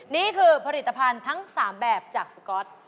นี่คือผลิตภัณฑ์ทั้ง๓แบบจากสก๊อต